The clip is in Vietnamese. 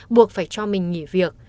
buộc phải cho mình nghỉ việc